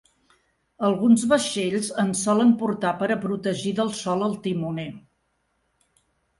Alguns vaixells en solen portar per a protegir del sol al timoner.